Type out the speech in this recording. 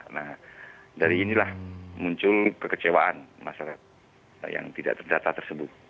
nah dari inilah muncul kekecewaan masyarakat yang tidak terdata tersebut